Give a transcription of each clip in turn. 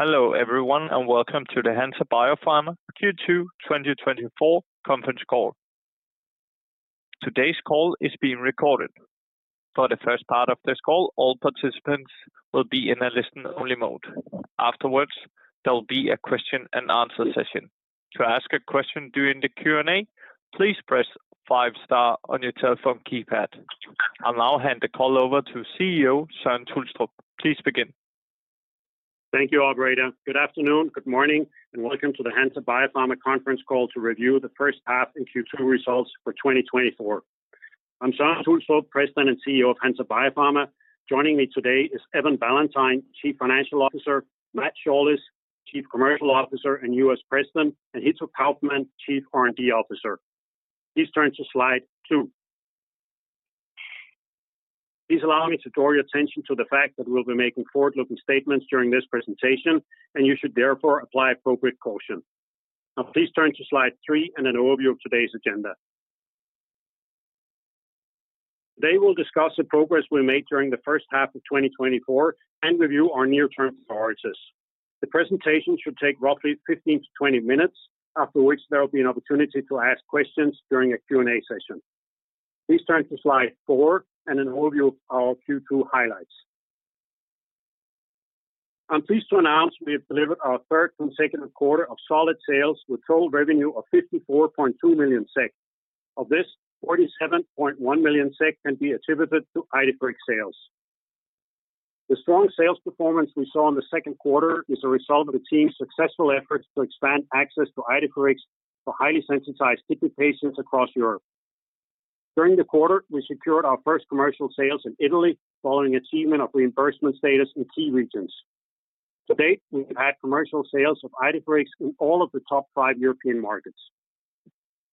Hello everyone, and welcome to the Hansa Biopharma Q2 2024 conference call. Today's call is being recorded. For the first part of this call, all participants will be in a listen-only mode. Afterwards, there will be a question and answer session. To ask a question during the Q&A, please press five star on your telephone keypad. I'll now hand the call over to CEO Søren Tulstrup. Please begin. Thank you, operator. Good afternoon, good morning, and welcome to the Hansa Biopharma conference call to review the first half and Q2 results for 2024. I'm Søren Tulstrup, President and CEO of Hansa Biopharma. Joining me today is Evan Ballantyne, Chief Financial Officer, Matthew Shaulis, Chief Commercial Officer and U.S. President, and Hitto Kaufmann, Chief R&D Officer. Please turn to slide 2. Please allow me to draw your attention to the fact that we'll be making forward-looking statements during this presentation, and you should therefore apply appropriate caution. Now, please turn to slide 3 and an overview of today's agenda. Today, we'll discuss the progress we made during the first half of 2024 and review our near-term priorities. The presentation should take roughly 15 to 20 minutes, after which there will be an opportunity to ask questions during a Q&A session. Please turn to slide four and an overview of our Q2 highlights. I'm pleased to announce we have delivered our third consecutive quarter of solid sales, with total revenue of 54.2 million SEK. Of this, 47.1 million SEK can be attributed to Idefirix sales. The strong sales performance we saw in the second quarter is a result of the team's successful efforts to expand access to Idefirix for highly sensitized kidney patients across Europe. During the quarter, we secured our first commercial sales in Italy, following achievement of reimbursement status in key regions. To date, we've had commercial sales of Idefirix in all of the top five European markets.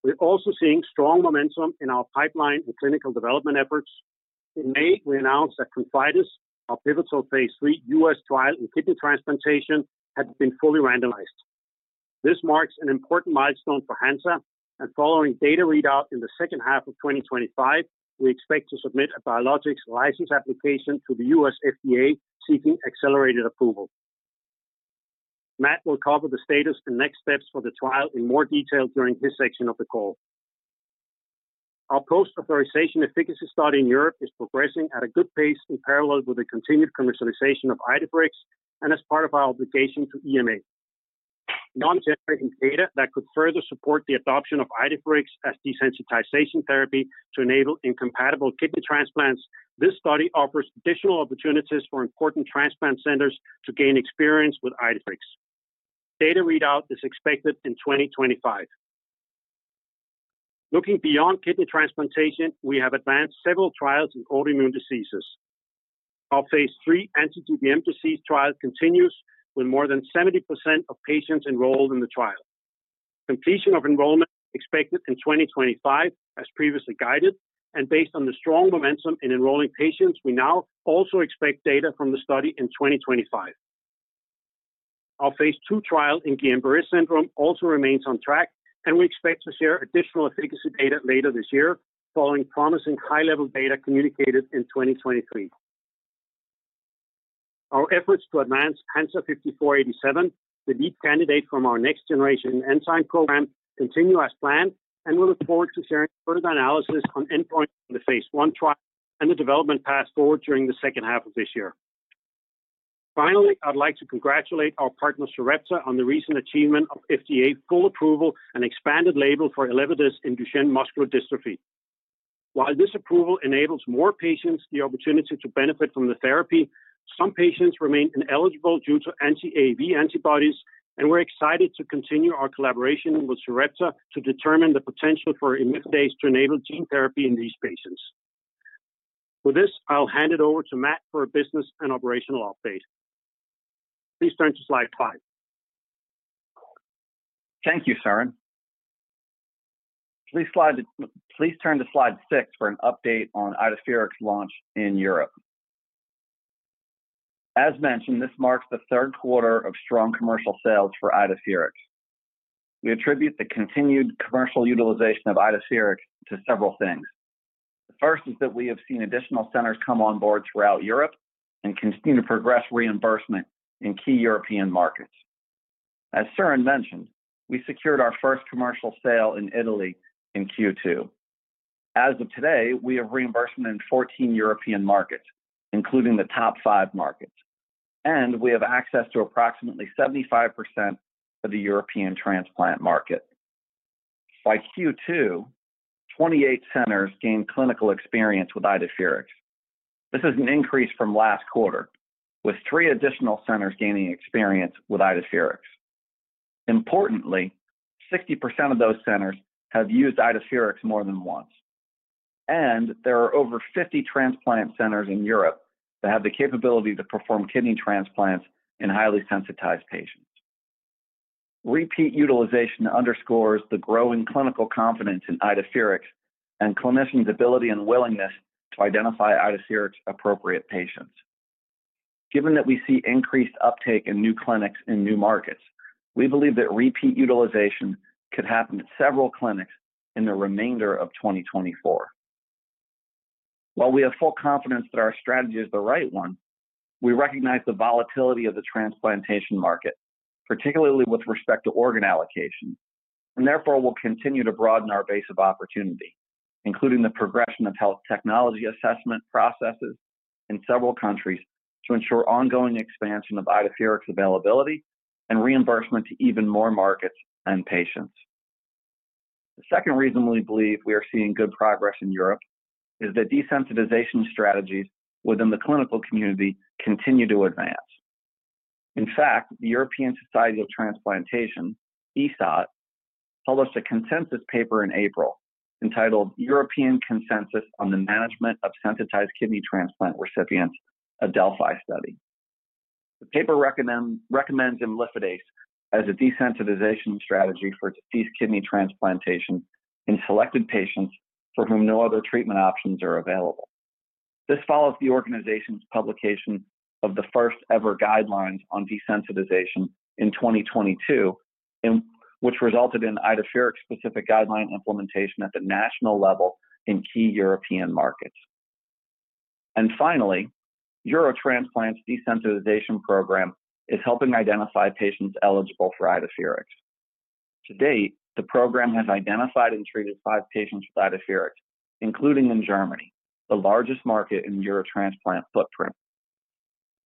We're also seeing strong momentum in our pipeline and clinical development efforts. In May, we announced that ConfIdeS, our pivotal phase 3 U.S. trial in kidney transplantation, had been fully randomized. This marks an important milestone for Hansa, and following data readout in the second half of 2025, we expect to submit a biologics license application to the U.S. FDA seeking accelerated approval. Matt will cover the status and next steps for the trial in more detail during his section of the call. Our post-authorization efficacy study in Europe is progressing at a good pace in parallel with the continued commercialization of IDEFIRIX and as part of our obligation to EMA. Beyond generating data that could further support the adoption of IDEFIRIX as desensitization therapy to enable incompatible kidney transplants, this study offers additional opportunities for important transplant centers to gain experience with IDEFIRIX. Data readout is expected in 2025. Looking beyond kidney transplantation, we have advanced several trials in autoimmune diseases. Our phase III anti-GBM disease trial continues, with more than 70% of patients enrolled in the trial. Completion of enrollment expected in 2025, as previously guided, and based on the strong momentum in enrolling patients, we now also expect data from the study in 2025. Our phase II trial in Guillain-Barré syndrome also remains on track, and we expect to share additional efficacy data later this year, following promising high-level data communicated in 2023. Our efforts to advance HNSA-5487, the lead candidate from our next-generation enzyme program, continue as planned, and we look forward to sharing further analysis on endpoints in the phase I trial and the development path forward during the second half of this year. Finally, I'd like to congratulate our partner, Sarepta, on the recent achievement of FDA full approval and expanded label for ELEVIDYS in Duchenne muscular dystrophy. While this approval enables more patients the opportunity to benefit from the therapy, some patients remain ineligible due to anti-AAV antibodies, and we're excited to continue our collaboration with Sarepta to determine the potential for imlifidase to enable gene therapy in these patients. With this, I'll hand it over to Matt for a business and operational update. Please turn to slide five. Thank you, Søren. Please turn to slide six for an update on IDEFIRIX's launch in Europe. As mentioned, this marks the third quarter of strong commercial sales for IDEFIRIX. We attribute the continued commercial utilization of IDEFIRIX to several things. The first is that we have seen additional centers come on board throughout Europe and continue to progress reimbursement in key European markets. As Søren mentioned, we secured our first commercial sale in Italy in Q2. As of today, we have reimbursement in 14 European markets, including the top five markets, and we have access to approximately 75% of the European transplant market. By Q2, 28 centers gained clinical experience with IDEFIRIX. This is an increase from last quarter, with 3 additional centers gaining experience with IDEFIRIX. Importantly, 60% of those centers have used IDEFIRIX more than once, and there are over 50 transplant centers in Europe that have the capability to perform kidney transplants in highly sensitized patients. Repeat utilization underscores the growing clinical confidence in IDEFIRIX and clinicians' ability and willingness to identify IDEFIRIX's appropriate patients. Given that we see increased uptake in new clinics in new markets, we believe that repeat utilization could happen at several clinics in the remainder of 2024. While we have full confidence that our strategy is the right one, we recognize the volatility of the transplantation market, particularly with respect to organ allocation, and therefore, we'll continue to broaden our base of opportunity, including the progression of health technology assessment processes in several countries to ensure ongoing expansion of IDEFIRIX availability and reimbursement to even more markets and patients. The second reason we believe we are seeing good progress in Europe is that desensitization strategies within the clinical community continue to advance. In fact, the European Society for Organ Transplantation, ESOT, published a consensus paper in April entitled "European Consensus on the Management of Sensitized Kidney Transplant Recipients: A Delphi Study." The paper recommends imlifidase as a desensitization strategy for deceased kidney transplantation in selected patients for whom no other treatment options are available. This follows the organization's publication of the first-ever guidelines on desensitization in 2022, which resulted in IDEFIRIX-specific guideline implementation at the national level in key European markets. Finally, Eurotransplant's desensitization program is helping identify patients eligible for IDEFIRIX. To date, the program has identified and treated five patients with IDEFIRIX, including in Germany, the largest market in Eurotransplant footprint.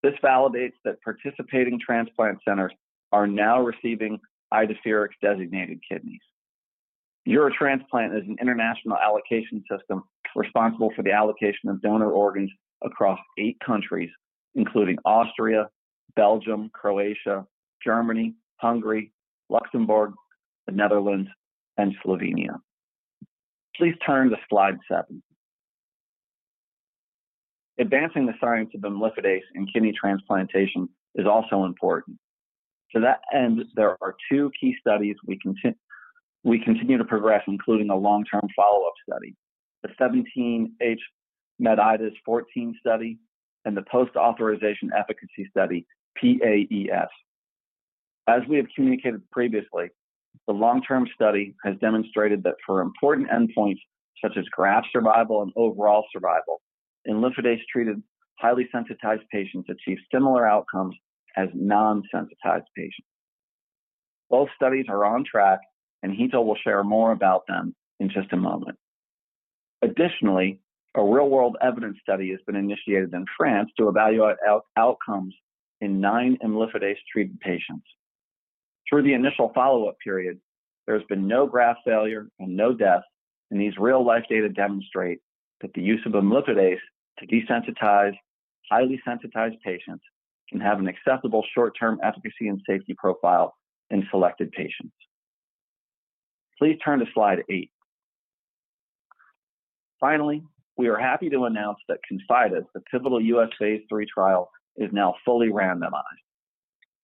This validates that participating transplant centers are now receiving IDEFIRIX-designated kidneys. Eurotransplant is an international allocation system responsible for the allocation of donor organs across eight countries, including Austria, Belgium, Croatia, Germany, Hungary, Luxembourg, the Netherlands, and Slovenia. Please turn to slide seven. Advancing the science of imlifidase in kidney transplantation is also important. To that end, there are two key studies we continue to progress, including a long-term follow-up study, the 17-HMedIdas-14 study and the Post-Authorization Efficacy Study, PAES. As we have communicated previously, the long-term study has demonstrated that for important endpoints, such as graft survival and overall survival, imlifidase-treated highly sensitized patients achieve similar outcomes as non-sensitized patients. Both studies are on track, and Hitto will share more about them in just a moment. Additionally, a real-world evidence study has been initiated in France to evaluate outcomes in nine imlifidase-treated patients. Through the initial follow-up period, there has been no graft failure and no deaths, and these real-life data demonstrate that the use of imlifidase to desensitize highly sensitized patients can have an acceptable short-term efficacy and safety profile in selected patients. Please turn to slide 8. Finally, we are happy to announce that ConfIdeS, the pivotal U.S. phase III trial, is now fully randomized.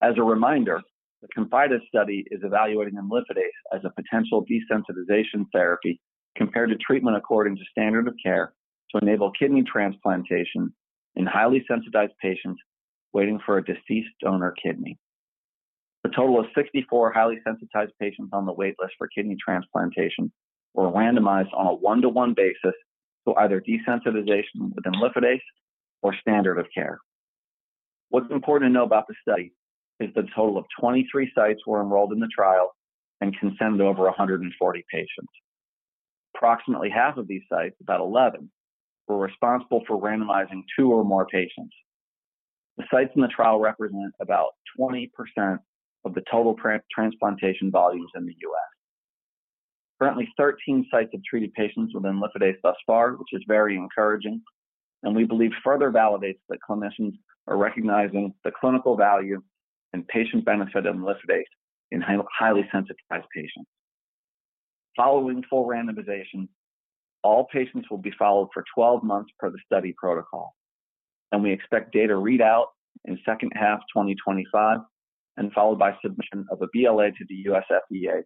As a reminder, the ConfIdeS study is evaluating imlifidase as a potential desensitization therapy compared to treatment according to standard of care to enable kidney transplantation in highly sensitized patients waiting for a deceased donor kidney. A total of 64 highly sensitized patients on the wait list for kidney transplantation were randomized on a 1:1 basis to either desensitization with imlifidase or standard of care. What's important to know about the study is that a total of 23 sites were enrolled in the trial and consented over 140 patients. Approximately half of these sites, about 11, were responsible for randomizing two or more patients. The sites in the trial represent about 20% of the total transplantation volumes in the U.S. Currently, 13 sites have treated patients with imlifidase thus far, which is very encouraging and we believe further validates that clinicians are recognizing the clinical value and patient benefit of imlifidase in highly sensitized patients. Following full randomization, all patients will be followed for 12 months per the study protocol, and we expect data readout in second half 2025, and followed by submission of a BLA to the U.S. FDA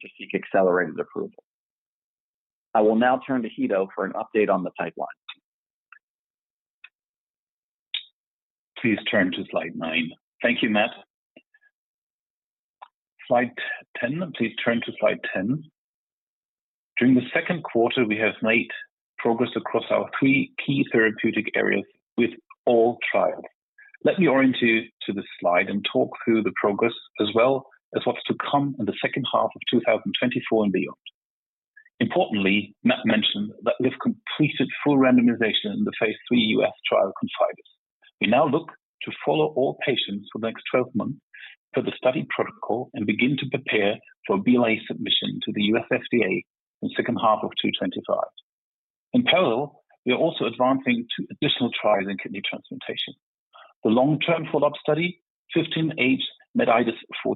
to seek accelerated approval. I will now turn to Hitto for an update on the pipeline. Please turn to slide 9. Thank you, Matt. Slide 10. Please turn to slide 10. During the second quarter, we have made progress across our three key therapeutic areas with all trials. Let me orient you to this slide and talk through the progress as well as what's to come in the second half of 2024 and beyond. Importantly, Matt mentioned that we've completed full randomization in the phase III U.S. trial ConfIdeS. We now look to follow all patients for the next 12 months per the study protocol and begin to prepare for BLA submission to the U.S. FDA in second half of 2025. In parallel, we are also advancing to additional trials in kidney transplantation. The long-term follow-up study, 15-HMedIdas-14,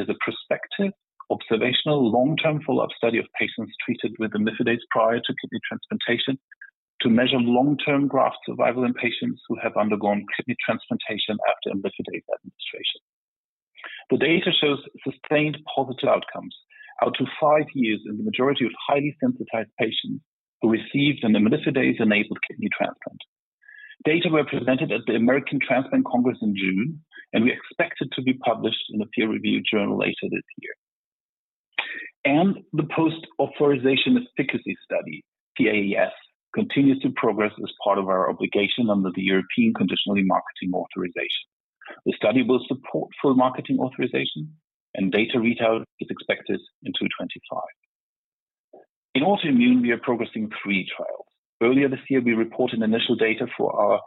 is a prospective, observational, long-term follow-up study of patients treated with imlifidase prior to kidney transplantation to measure long-term graft survival in patients who have undergone kidney transplantation after imlifidase administration. The data shows sustained positive outcomes out to five years in the majority of highly sensitized patients who received an imlifidase-enabled kidney transplant. Data were presented at the American Transplant Congress in June, and we expect it to be published in a peer-reviewed journal later this year... and the post-authorization efficacy study, PAES, continues to progress as part of our obligation under the European conditional marketing authorization. The study will support full marketing authorization, and data readout is expected in 2025. In autoimmune, we are progressing three trials. Earlier this year, we reported initial data for our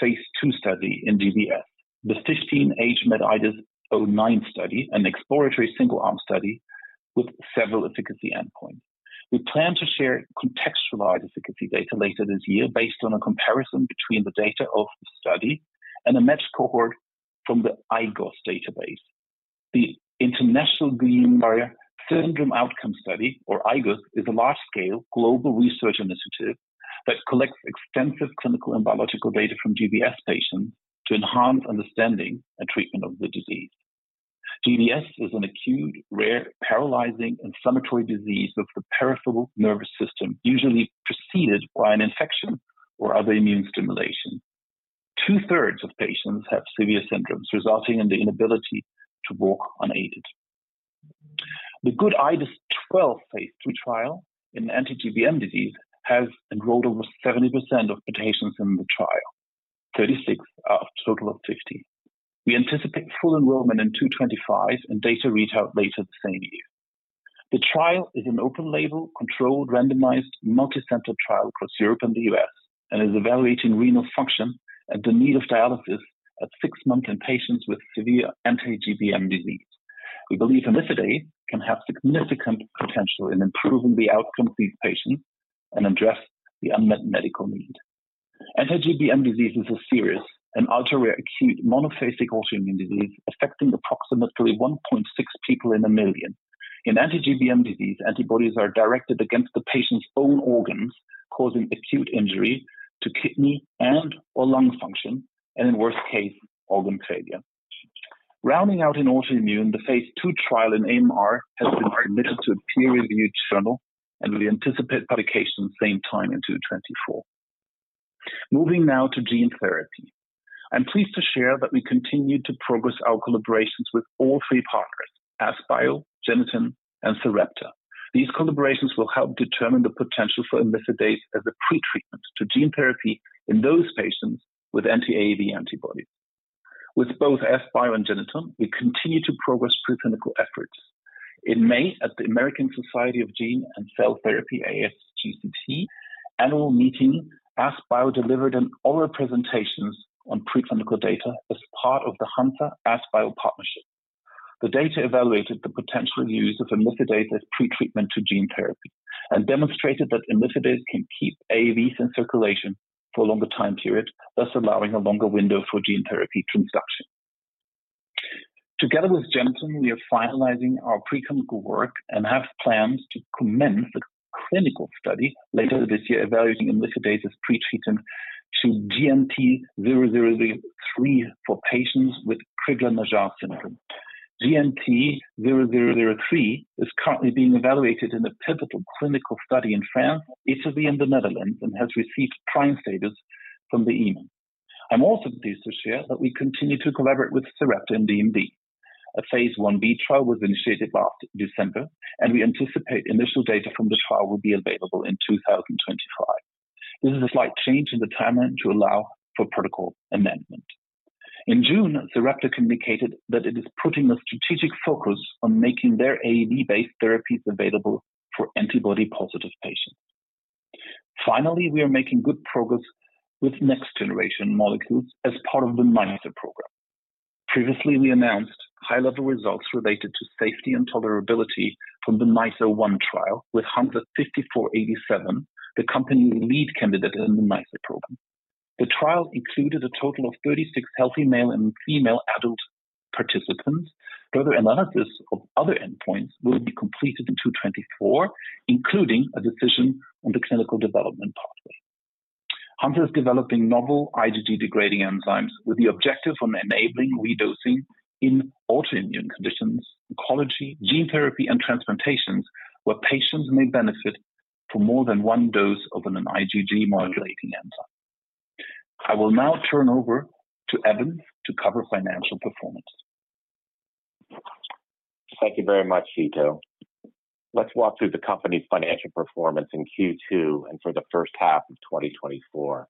phase II study in GBS, the 16-HMedIdas-09 study, an exploratory single-arm study with several efficacy endpoints. We plan to share contextualized efficacy data later this year based on a comparison between the data of the study and a matched cohort from the IGOS database. The International Guillain-Barré Syndrome Outcome Study, or IGOS, is a large-scale global research initiative that collects extensive clinical and biological data from GBS patients to enhance understanding and treatment of the disease. GBS is an acute, rare, paralyzing inflammatory disease of the peripheral nervous system, usually preceded by an infection or other immune stimulation. Two-thirds of patients have severe symptoms, resulting in the inability to walk unaided. The Good-IDES-12 phase 2 trial in anti-GBM disease has enrolled over 70% of patients in the trial, 36 out of a total of 50. We anticipate full enrollment in 2025 and data readout later the same year. The trial is an open-label, controlled, randomized, multicenter trial across Europe and the US, and is evaluating renal function and the need for dialysis at six months in patients with severe anti-GBM disease. We believe imlifidase can have significant potential in improving the outcome of these patients and address the unmet medical need. Anti-GBM disease is a serious and ultra-rare acute monophasic autoimmune disease affecting approximately 1.6 people in a million. In anti-GBM disease, antibodies are directed against the patient's own organs, causing acute injury to kidney and/or lung function, and in worst case, organ failure. Rounding out in autoimmune, the phase 2 trial in AMR has been submitted to a peer-reviewed journal, and we anticipate publication sometime in 2024. Moving now to gene therapy. I'm pleased to share that we continue to progress our collaborations with all three partners, AskBio, Genethon, and Sarepta. These collaborations will help determine the potential for imlifidase as a pretreatment to gene therapy in those patients with anti-AAV antibodies. With both AskBio and Genethon, we continue to progress preclinical efforts. In May, at the American Society of Gene and Cell Therapy, ASGCT, annual meeting, AskBio delivered an oral presentation on preclinical data as part of the Hansa AskBio partnership. The data evaluated the potential use of imlifidase as pretreatment to gene therapy, and demonstrated that imlifidase can keep AAVs in circulation for a longer time period, thus allowing a longer window for gene therapy transduction. Together with Genethon, we are finalizing our preclinical work and have plans to commence the clinical study later this year, evaluating imlifidase as pretreatment to GNT-0003 for patients with Crigler-Najjar syndrome. GNT-0003 is currently being evaluated in a pivotal clinical study in France, Italy, and the Netherlands, and has received PRIME status from the EMA. I'm also pleased to share that we continue to collaborate with Sarepta in DMD. A phase I-b trial was initiated last December, and we anticipate initial data from the trial will be available in 2025. This is a slight change in the timeline to allow for protocol amendment. In June, Sarepta communicated that it is putting a strategic focus on making their AAV-based therapies available for antibody-positive patients. Finally, we are making good progress with next-generation molecules as part of the NiceR program. Previously, we announced high-level results related to safety and tolerability from the NICE-01 trial with HNSA-5487, the company's lead candidate in the NiceR program. The trial included a total of 36 healthy male and female adult participants. Further analysis of other endpoints will be completed in 2024, including a decision on the clinical development pathway. Hansa is developing novel IgG-degrading enzymes with the objective on enabling redosing in autoimmune conditions, oncology, gene therapy, and transplantations, where patients may benefit from more than one dose of an IgG-modulating enzyme. I will now turn over to Evan to cover financial performance. Thank you very much, Hitto. Let's walk through the company's financial performance in Q2 and for the first half of 2024.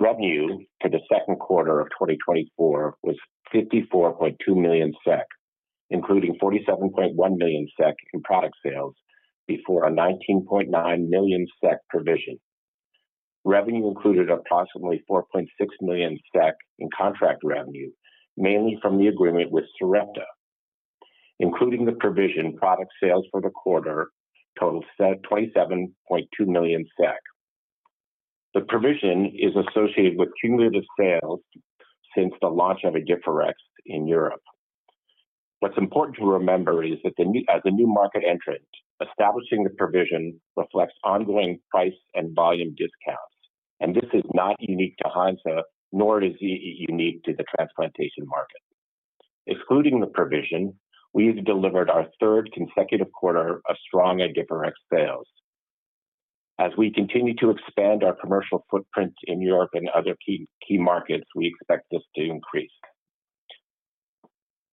Revenue for the second quarter of 2024 was 54.2 million SEK, including 47.1 million SEK in product sales before a 19.9 million SEK provision. Revenue included approximately 4.6 million SEK in contract revenue, mainly from the agreement with Sarepta. Including the provision, product sales for the quarter totaled twenty-seven point two million SEK. The provision is associated with cumulative sales since the launch of Idefirix in Europe. What's important to remember is that as a new market entrant, establishing the provision reflects ongoing price and volume discounts, and this is not unique to Hansa, nor is it unique to the transplantation market. Excluding the provision, we've delivered our third consecutive quarter of strong Idefirix sales.... As we continue to expand our commercial footprint in Europe and other key, key markets, we expect this to increase.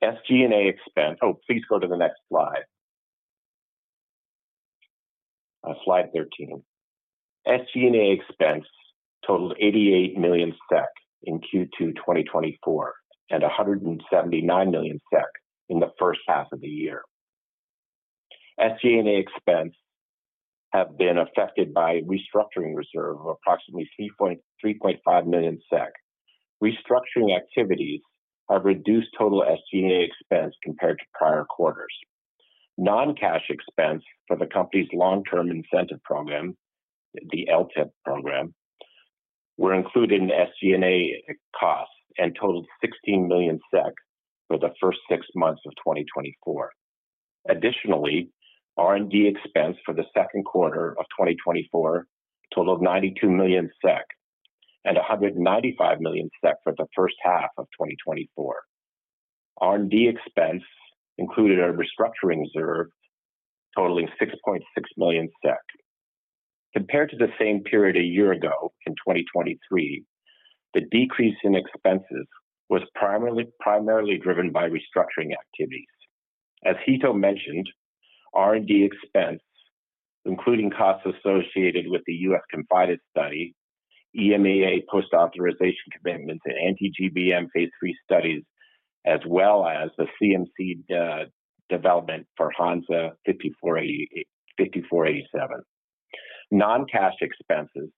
SG&A expense. Oh, please go to the next slide. Slide 13. SG&A expense totaled 88 million SEK in Q2 2024, and 179 million SEK in the first half of the year. SG&A expense have been affected by restructuring reserve of approximately 3.5 million SEK. Restructuring activities have reduced total SG&A expense compared to prior quarters. Non-cash expense for the company's long-term incentive program, the LTIP program, were included in SG&A costs and totaled 16 million for the first six months of 2024. Additionally, R&D expense for the second quarter of 2024 totaled 92 million SEK and 195 million SEK for the first half of 2024. R&D expense included a restructuring reserve totaling 6.6 million SEK. Compared to the same period a year ago, in 2023, the decrease in expenses was primarily, primarily driven by restructuring activities. As Hitto mentioned, R&D expense, including costs associated with the U.S. ConfIdeS study, EMA post-authorization commitments, and anti-GBM phase 3 studies, as well as the CMC development for HNSA-5487. Non-cash expenses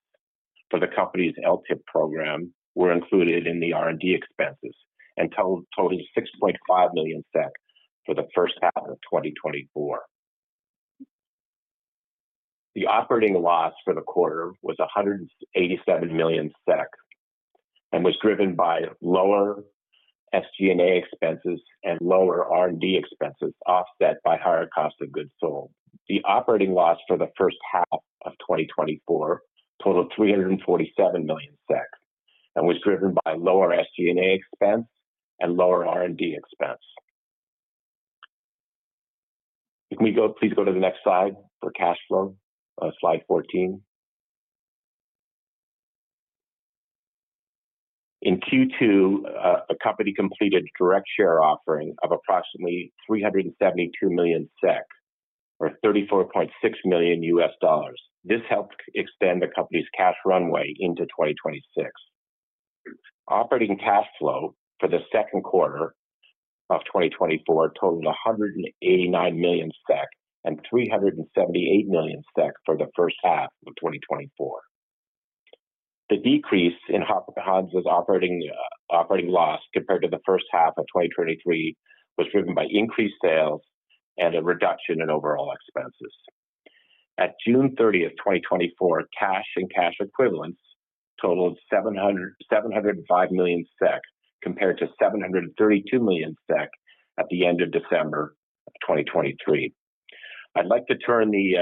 for the company's LTIP program were included in the R&D expenses and totaled 6.5 million SEK for the first half of 2024. The operating loss for the quarter was 187 million SEK, and was driven by lower SG&A expenses and lower R&D expenses, offset by higher cost of goods sold. The operating loss for the first half of 2024 totaled 347 million, and was driven by lower SG&A expense and lower R&D expense. Please go to the next slide for cash flow, slide 14. In Q2, the company completed direct share offering of approximately 372 million SEK, or $34.6 million. This helped extend the company's cash runway into 2026. Operating cash flow for the second quarter of 2024 totaled 189 million SEK and 378 million SEK for the first half of 2024. The decrease in Hansa's operating loss compared to the first half of 2023 was driven by increased sales and a reduction in overall expenses. At June thirtieth, 2024, cash and cash equivalents totaled 705 million SEK, compared to 732 million SEK at the end of December of 2023. I'd like to turn the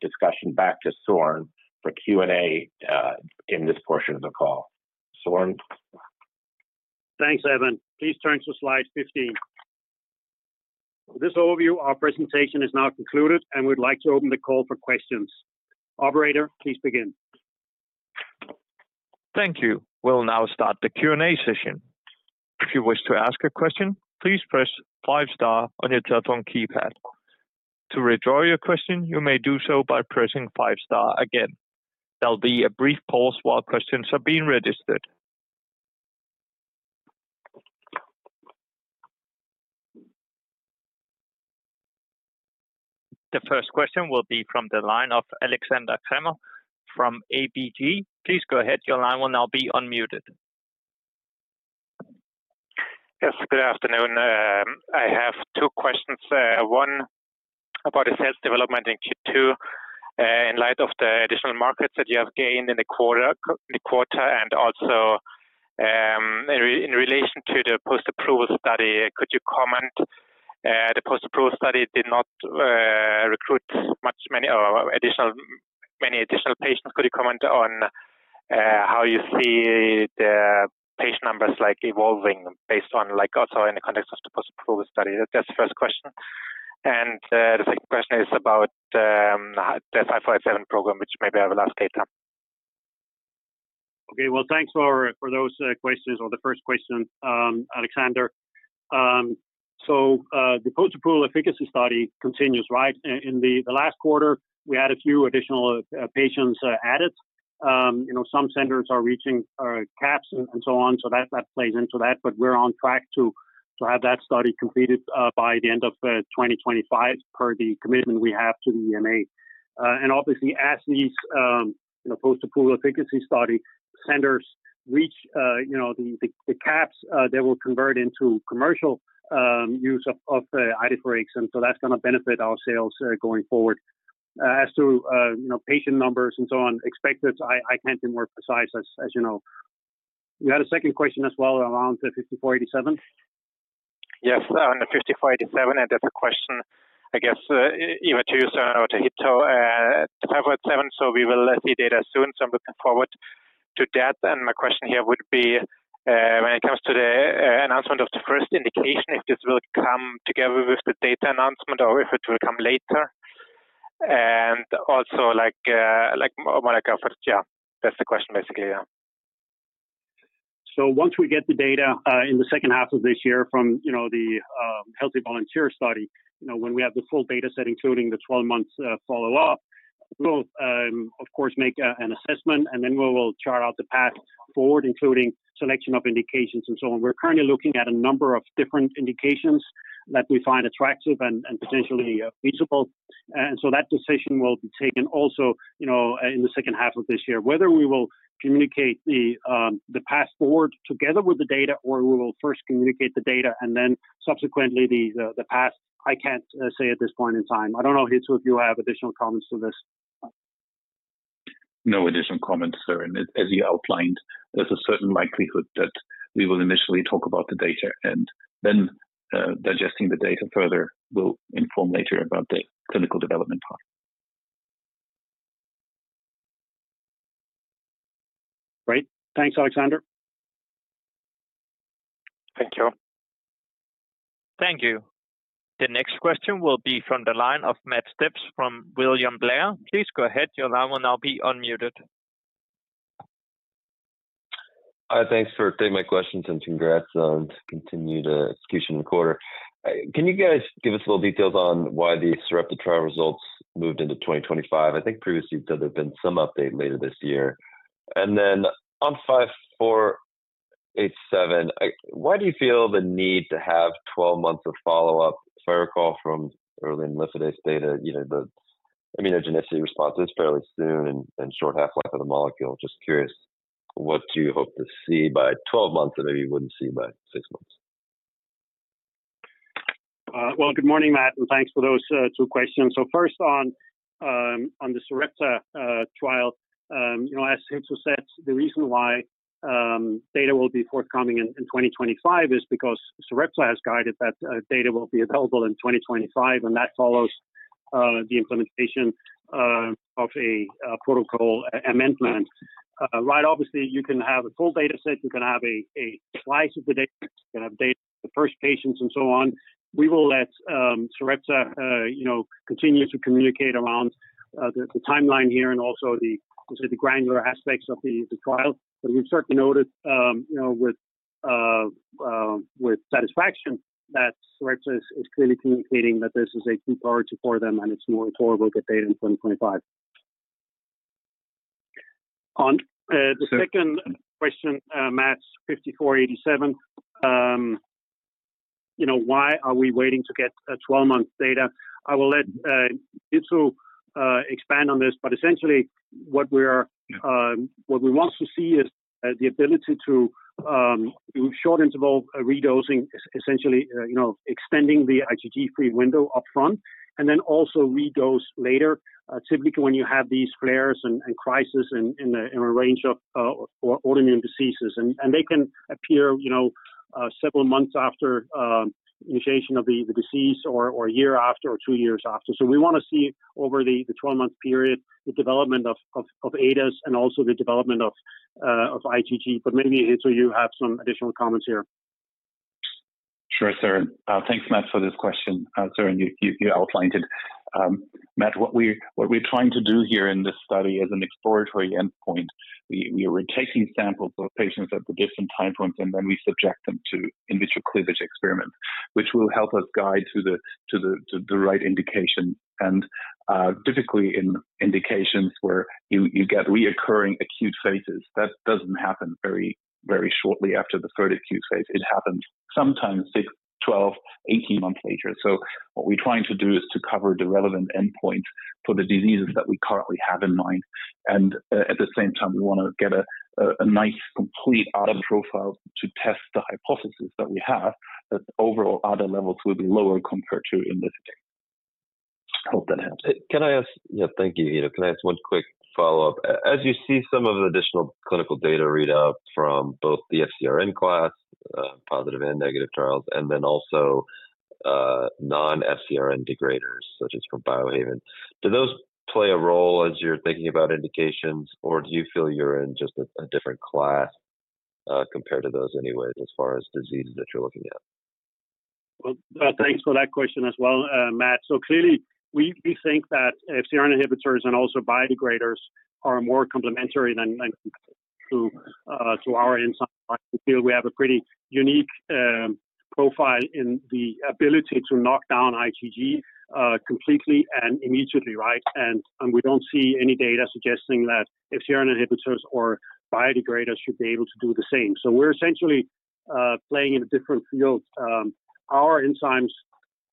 discussion back to Søren for Q&A in this portion of the call. Søren? Thanks, Evan. Please turn to slide 15. With this overview, our presentation is now concluded, and we'd like to open the call for questions. Operator, please begin. Thank you. We'll now start the Q&A session. If you wish to ask a question, please press five star on your telephone keypad. To withdraw your question, you may do so by pressing five star again. There'll be a brief pause while questions are being registered. The first question will be from the line of Alexander Krämer from ABG. Please go ahead, your line will now be unmuted. Yes, good afternoon. I have two questions. One, about the sales development in Q2, in light of the additional markets that you have gained in the quarter, the quarter, and also, in relation to the post-approval study, could you comment, the post-approval study did not recruit much many, or additional, many additional patients. Could you comment on, how you see the patient numbers, like, evolving based on, like, also in the context of the post-approval study? That's the first question. And, the second question is about, the 5487 program, which maybe I will ask later. Okay, well, thanks for those questions or the first question, Alexander. So, the post approval efficacy study continues, right? In the last quarter, we had a few additional patients added. You know, some centers are reaching caps and so on, so that plays into that. But we're on track to have that study completed by the end of 2025, per the commitment we have to the EMA. And obviously, as these post approval efficacy study centers reach the caps, they will convert into commercial use of the Idefirix, and so that's gonna benefit our sales going forward. As to patient numbers and so on expected, I can't be more precise, as you know. You had a second question as well, around the 5487? Yes, on the HNSA-5487, and that's a question, I guess, either to you, sir, or to Hitto. HNSA-5487, so we will see data soon, so I'm looking forward to that, and my question here would be, when it comes to the announcement of the first indication, if this will come together with the data announcement or if it will come later? And``` also, like, like, Monica, yeah, that's the question, basically, yeah. So once we get the data, in the second half of this year from, you know, the, healthy volunteer study, you know, when we have the full data set, including the 12-month, follow-up, we'll, of course, make a, an assessment, and then we will chart out the path forward, including selection of indications and so on. We're currently looking at a number of different indications that we find attractive and, and potentially, feasible. And so that decision will be taken also, you know, in the second half of this year. Whether we will communicate the, the path forward together with the data, or we will first communicate the data and then subsequently the, the, the path, I can't, say at this point in time. I don't know if Hitto, if you have additional comments to this. No additional comments, Søren. As you outlined, there's a certain likelihood that we will initially talk about the data, and then, digesting the data further, we'll inform later about the clinical development part. Great. Thanks, Alexander. Thank you. Thank you. The next question will be from the line of Matt Phipps from William Blair. Please go ahead. Your line will now be unmuted. Hi, thanks for taking my questions, and congrats on continued execution in the quarter. Can you guys give us a little details on why the Sarepta trial results moved into 2025? I think previously there had been some update later this year. And then on 5487, why do you feel the need to have 12 months of follow-up? If I recall from early imlifidase data, you know, the immunogenicity response is fairly soon and short half-life of the molecule. Just curious, what do you hope to see by 12 months that maybe you wouldn't see by six months? Well, good morning, Matt, and thanks for those two questions. So first on the Sarepta trial, you know, as Hitto said, the reason why data will be forthcoming in 2025 is because Sarepta has guided that data will be available in 2025, and that follows the implementation of a protocol amendment. Right, obviously, you can have a full data set, you can have a slice of the data, you can have data, the first patients, and so on. We will let Sarepta you know, continue to communicate around the timeline here and also the granular aspects of the trial. But we've certainly noted, you know, with satisfaction that Sarepta is clearly communicating that this is a key priority for them, and it's more toward we'll get data in 2025. On the second question, Matt, 5487, you know, why are we waiting to get a 12-month data? I will let Hitto expand on this, but essentially, what we are, what we want to see is the ability to do short-interval redosing, essentially, you know, extending the IgG-free window upfront, and then also redose later, typically when you have these flares and crisis in a range of autoimmune diseases. And they can appear, you know, several months after initiation of the disease, or a year after, or 2 years after. So we want to see over the 12-month period, the development of ADAs and also the development of IgG. But maybe, Hitto, you have some additional comments here. Sure, Søren. Thanks, Matt, for this question. Søren, you outlined it. Matt, what we're trying to do here in this study is an exploratory endpoint. We are taking samples of patients at the different time points, and then we subject them to in vitro cleavage experiments, which will help us guide to the right indication. Typically in indications where you get reoccurring acute phases, that doesn't happen very, very shortly after the third acute phase. It happens sometimes 6, 12, 18 months later. So what we're trying to do is to cover the relevant endpoints for the diseases that we currently have in mind. At the same time, we want to get a nice, complete ADA profile to test the hypothesis that we have, that overall ADA levels will be lower compared to in this case. Hope that helps. Can I ask? Yeah, thank you, Hitto. Can I ask one quick follow-up? As you see some of the additional clinical data read out from both the FcRn class, positive and negative trials, and then also, non-FcRn degraders, such as for Biohaven, do those play a role as you're thinking about indications, or do you feel you're in just a different class, compared to those anyways, as far as diseases that you're looking at? Well, thanks for that question as well, Matt. So clearly, we think that FCRN inhibitors and also biodegraders are more complementary than to our enzyme. I feel we have a pretty unique profile in the ability to knock down IgG completely and immediately, right? And we don't see any data suggesting that FCRN inhibitors or biodegraders should be able to do the same. So we're essentially playing in different fields. Our enzymes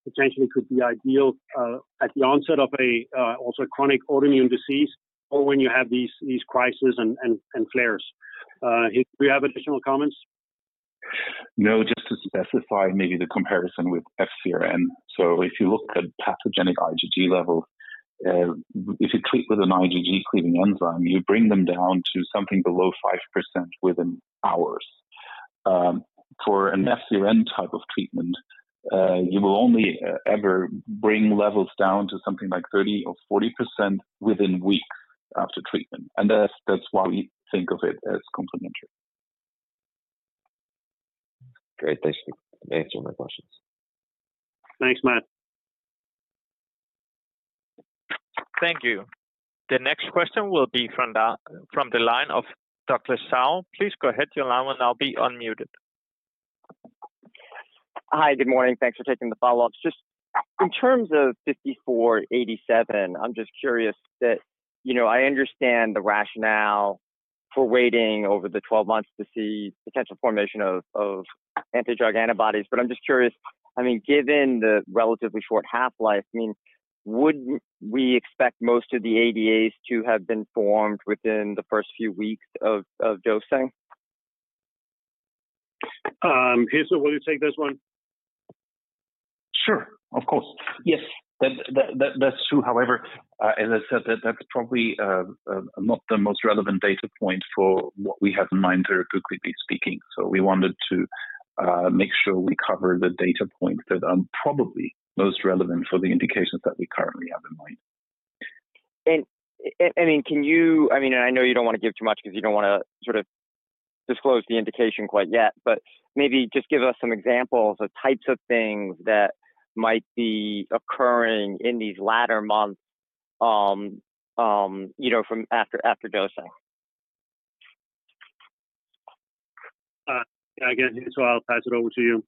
potentially could be ideal at the onset of also a chronic autoimmune disease or when you have these crises and flares. Hitto, do you have additional comments? No, just to specify maybe the comparison with FcRn. So if you look at pathogenic IgG levels, if you treat with an IgG-cleaving enzyme, you bring them down to something below 5% for an FcRn type of treatment, you will only ever bring levels down to something like 30% or 40% within weeks after treatment. And that's, that's why we think of it as complementary. Great. Thank you. That answers my questions. Thanks, Matt. Thank you. The next question will be from the line of Dr. Tsao. Please go ahead, your line will now be unmuted. Hi, good morning. Thanks for taking the follow-ups. Just in terms of 5487, I'm just curious that, you know, I understand the rationale for waiting over the 12 months to see potential formation of, of anti-drug antibodies, but I'm just curious, I mean, given the relatively short half-life, I mean, would we expect most of the ADAs to have been formed within the first few weeks of, of dosing? Hitto, will you take this one? Sure. Of course. Yes, that's true. However, as I said, that's probably not the most relevant data point for what we have in mind, therapeutically speaking. So we wanted to make sure we cover the data points that are probably most relevant for the indications that we currently have in mind. I mean, can you, I mean, and I know you don't want to give too much because you don't want to sort of disclose the indication quite yet, but maybe just give us some examples of types of things that might be occurring in these latter months, you know, from after dosing? I guess I'll pass it over to you.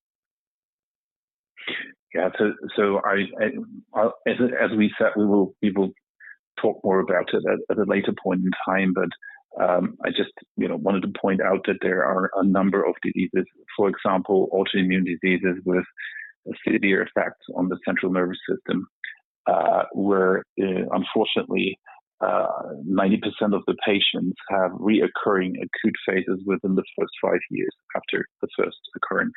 Yeah. So, as we said, we will talk more about it at a later point in time, but I just, you know, wanted to point out that there are a number of diseases, for example, autoimmune diseases, with severe effects on the central nervous system, where, unfortunately, 90% of the patients have reoccurring acute phases within the first five years after the first occurrence.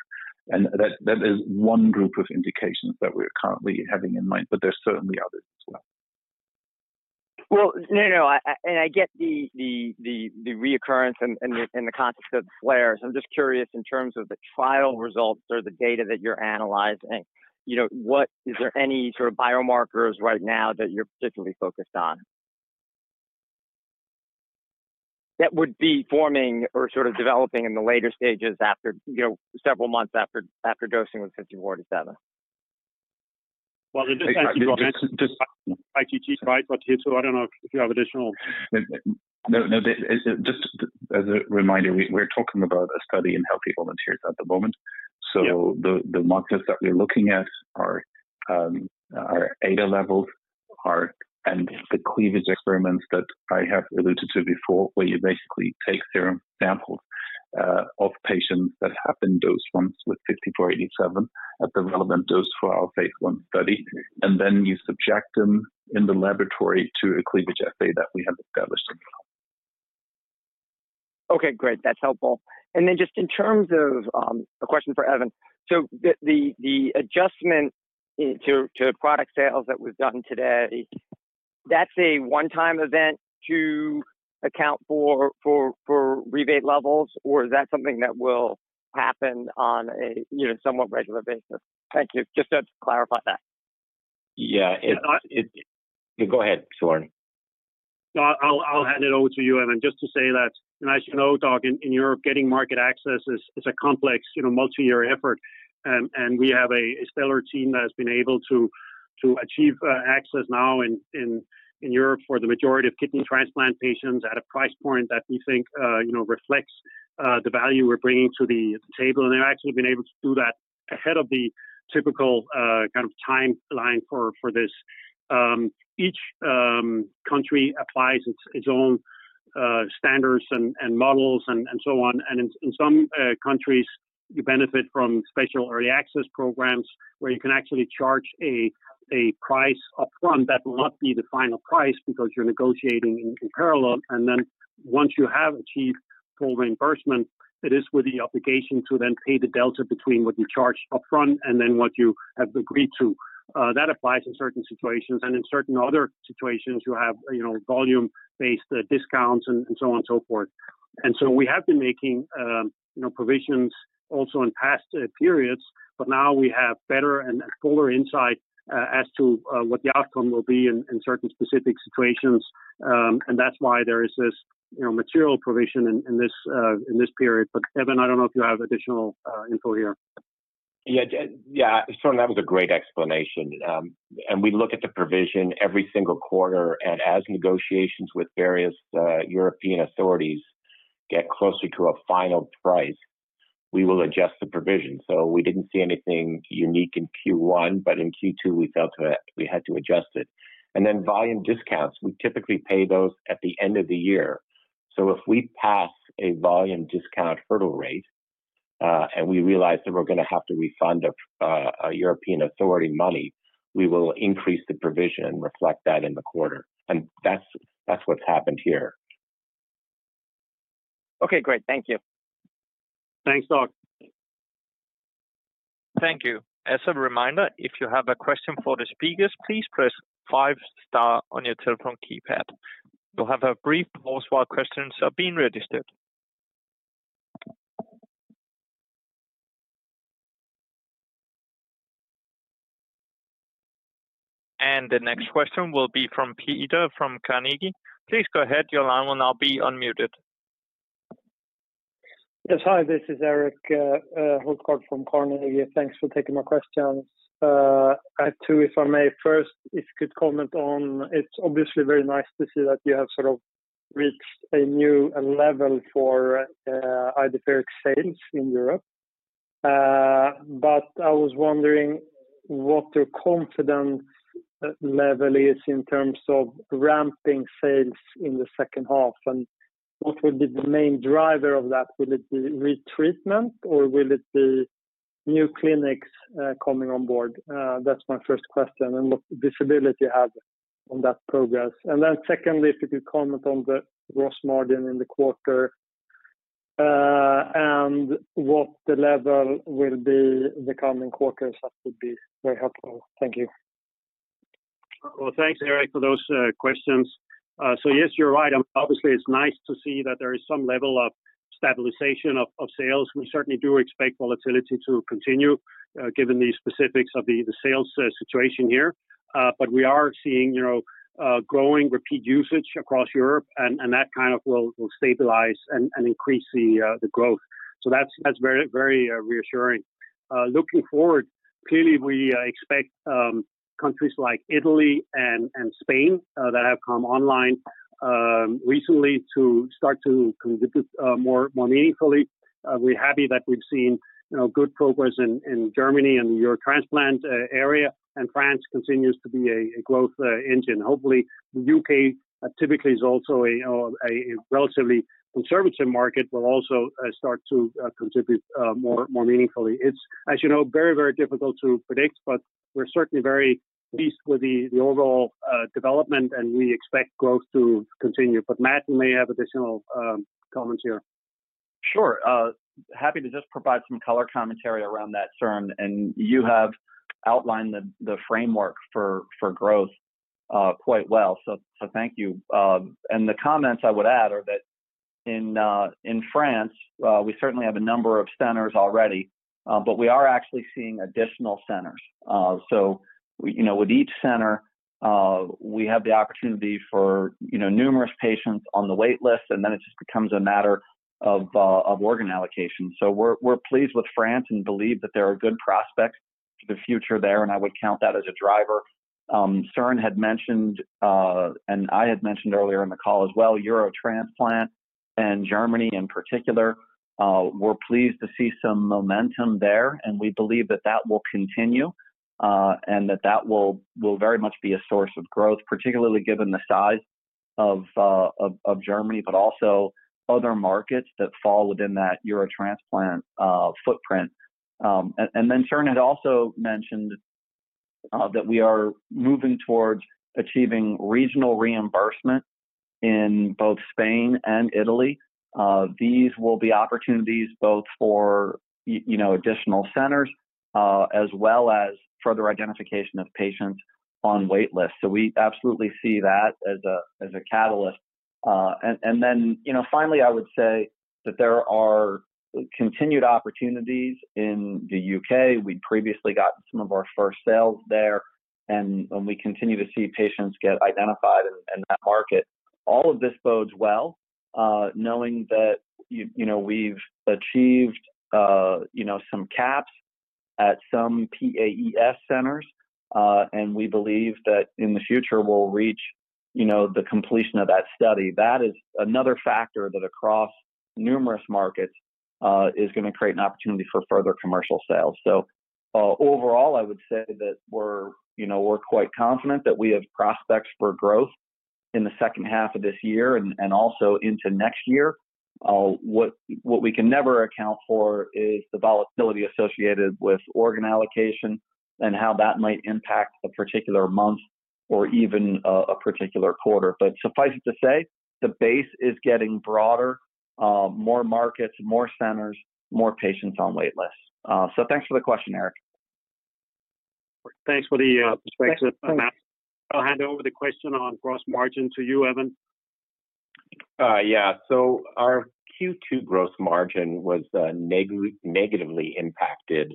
And that is one group of indications that we're currently having in mind, but there's certainly others as well. Well, no, no, I get the reoccurrence and the concept of flares. I'm just curious, in terms of the trial results or the data that you're analyzing, you know, what is there any sort of biomarkers right now that you're particularly focused on? That would be forming or sort of developing in the later stages after, you know, several months after dosing with 5487? Well, just, just ITT, right? But Hitto, I don't know if you have additional- No, no, just as a reminder, we're talking about a study in healthy volunteers at the moment. Yeah. So the markers that we're looking at are ADA levels, and the cleavage experiments that I have alluded to before, where you basically take serum samples of patients that have been dosed once with 5487 at the relevant dose for our phase 1 study, and then you subject them in the laboratory to a cleavage assay that we have established as well. Okay, great. That's helpful. And then just in terms of a question for Evan: so the adjustment to product sales that was done today, that's a one-time event to account for rebate levels, or is that something that will happen on a, you know, somewhat regular basis? Thank you. Just to clarify that. Yeah, it... Go ahead, Søren. No, I'll hand it over to you, Evan, just to say that, as you know, Doug, in Europe, getting market access is a complex, you know, multi-year effort. And we have a stellar team that has been able to achieve access now in Europe for the majority of kidney transplant patients at a price point that we think, you know, reflects the value we're bringing to the table. And they've actually been able to do that ahead of the typical kind of timeline for this. Each country applies its own standards and models and so on. And in some countries, you benefit from special early access programs, where you can actually charge a price upfront that will not be the final price because you're negotiating in parallel. And then once you have achieved full reimbursement, it is with the obligation to then pay the delta between what you charged upfront and then what you have agreed to. That applies in certain situations, and in certain other situations, you have, you know, volume-based discounts and so on and so forth. And so we have been making, you know, provisions also in past periods, but now we have better and fuller insight as to what the outcome will be in certain specific situations. And that's why there is this, you know, material provision in this period. But Evan, I don't know if you have additional info here. Yeah, yeah, Søren, that was a great explanation. And we look at the provision every single quarter, and as negotiations with various European authorities get closer to a final price, we will adjust the provision. So we didn't see anything unique in Q1, but in Q2, we felt that we had to adjust it. And then volume discounts, we typically pay those at the end of the year. So if we pass a volume discount hurdle rate, and we realize that we're going to have to refund a European authority money, we will increase the provision and reflect that in the quarter. And that's what's happened here. Okay, great. Thank you. Thanks, Doc. Thank you. As a reminder, if you have a question for the speakers, please press five star on your telephone keypad. We'll have a brief pause while questions are being registered. The next question will be from Peter from Carnegie. Please go ahead. Your line will now be unmuted. Yes. Hi, this is Erik Hultgård from Carnegie. Thanks for taking my questions. I have two, if I may. First, if you could comment on, it's obviously very nice to see that you have sort of reached a new level for Idefirix sales in Europe. But I was wondering what the confidence level is in terms of ramping sales in the second half, and what will be the main driver of that? Will it be retreatment or will it be new clinics coming on board? That's my first question, and what visibility you have on that progress. Then secondly, if you could comment on the gross margin in the quarter, and what the level will be in the coming quarters, that would be very helpful. Thank you. Well, thanks, Erik, for those questions. So yes, you're right. Obviously, it's nice to see that there is some level of stabilization of sales. We certainly do expect volatility to continue, given the specifics of the sales situation here. But we are seeing, you know, growing repeat usage across Europe, and that kind of will stabilize and increase the growth. So that's very reassuring. Looking forward, clearly, we expect countries like Italy and Spain that have come online recently to start to contribute more meaningfully. We're happy that we've seen, you know, good progress in Germany and the Eurotransplant area, and France continues to be a growth engine. Hopefully, the UK, typically is also a relatively conservative market, will also start to contribute more, more meaningfully. It's, as you know, very, very difficult to predict, but we're certainly very pleased with the overall development, and we expect growth to continue. But Matt may have additional comments here. Sure. Happy to just provide some color commentary around that, Søren, and you have outlined the framework for growth quite well, so thank you. And the comments I would add are that in France we certainly have a number of centers already, but we are actually seeing additional centers. So, you know, with each center we have the opportunity for, you know, numerous patients on the wait list, and then it just becomes a matter of organ allocation. So we're pleased with France and believe that there are good prospects for the future there, and I would count that as a driver. Søren had mentioned, and I had mentioned earlier in the call as well, Eurotransplant and Germany in particular, we're pleased to see some momentum there, and we believe that that will continue, and that that will very much be a source of growth, particularly given the size of, of Germany, but also other markets that fall within that Eurotransplant footprint. And then Søren had also mentioned that we are moving towards achieving regional reimbursement in both Spain and Italy. These will be opportunities both for you know, additional centers, as well as further identification of patients on wait lists. So we absolutely see that as a catalyst. And then, you know, finally, I would say that there are continued opportunities in the UK. We previously got some of our first sales there, and we continue to see patients get identified in that market. All of this bodes well, knowing that you know, we've achieved you know, some caps at some PAES centers, and we believe that in the future, we'll reach you know, the completion of that study. That is another factor that across numerous markets is gonna create an opportunity for further commercial sales. So, overall, I would say that we're you know, we're quite confident that we have prospects for growth in the second half of this year and also into next year. What we can never account for is the volatility associated with organ allocation and how that might impact a particular month or even a particular quarter. Suffice it to say, the base is getting broader, more markets, more centers, more patients on wait lists. Thanks for the question, Erik. Thanks for the perspective, Matt. Thanks. I'll hand over the question on gross margin to you, Evan. Yeah. So our Q2 gross margin was negatively impacted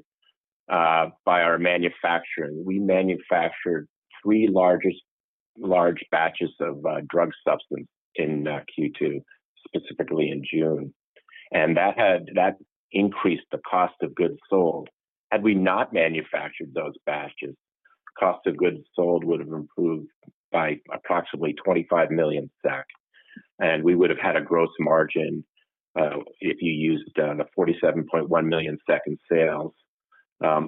by our manufacturing. We manufactured three large batches of drug substance in Q2, specifically in June, and that increased the cost of goods sold. Had we not manufactured those batches, cost of goods sold would have improved by approximately 25 million SEK, and we would have had a gross margin, if you used the 47.1 million SEK in sales,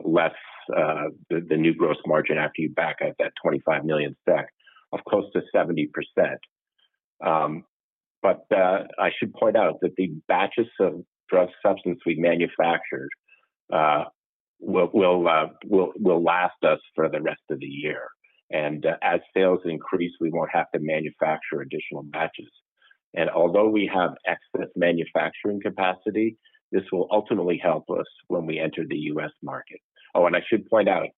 less the new gross margin after you back out that 25 million SEK of close to 70%. But I should point out that the batches of drug substance we manufactured will last us for the rest of the year, and as sales increase, we won't have to manufacture additional batches. Although we have excess manufacturing capacity, this will ultimately help us when we enter the US market. Oh, and I should point out,